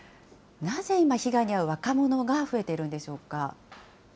なぜ今、被害に遭う若者が増えているんでしょうか。